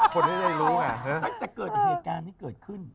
แต่เกิดเหตุการณ์นี้เกิดขึ้น